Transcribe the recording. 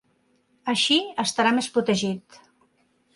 Així estarà més protegit.